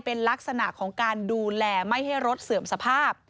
เป็นลักษณะของการดูแลไม่ให้รถเสื่อมสภาพ